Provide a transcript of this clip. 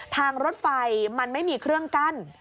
ทางรถไฟมันไม่มีเครื่องกั้น